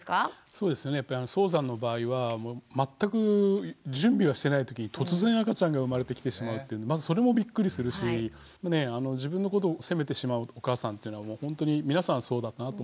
そうですねやっぱり早産の場合は全く準備をしてないときに突然赤ちゃんが生まれてきてしまうというまずそれもびっくりするし自分のことを責めてしまうお母さんっていうのは本当に皆さんそうだなと思うんですね。